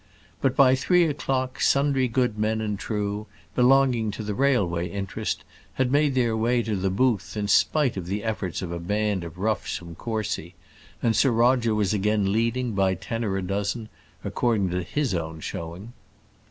But by three o'clock sundry good men and true, belonging to the railway interest, had made their way to the booth in spite of the efforts of a band of roughs from Courcy, and Sir Roger was again leading, by ten or a dozen, according to his own showing.